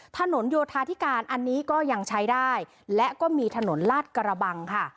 ถนนโยธาธิการอันนี้ก็ยังใช้ได้และก็มีถนนลาดกระบังค่ะ